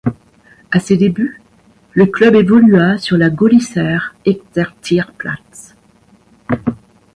À ses débuts, le club évolua sur la Gohliser Exerzierplatz.